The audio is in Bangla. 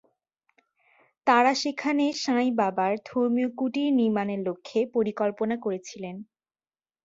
তারা সেখানে সাঁই বাবার ধর্মীয় কুটির নির্মাণের লক্ষ্যে পরিকল্পনা করেছিলেন।